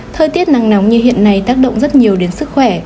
thời tiết nắng nóng như hiện nay tác động rất nhiều đến sức khỏe